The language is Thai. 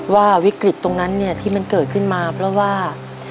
ว่าวิกฤตตรงนั้นที่มันเกิดขึ้นมาเพราะว่า